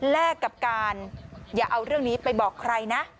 แลกกับการอย่าเอาเรื่องนี้ไปบอกใครนะ